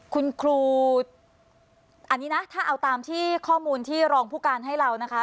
คุณครูอันนี้นะถ้าเอาตามที่ข้อมูลที่รองผู้การให้เรานะคะ